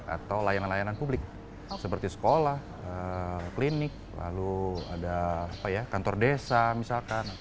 atau layanan layanan publik seperti sekolah klinik lalu ada kantor desa misalkan